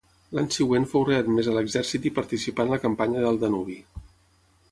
L'any següent fou readmès a l'exèrcit i participà en la campanya del Danubi.